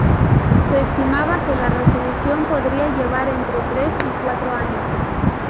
Se estimaba que la resolución podría llevar entre tres y cuatro años.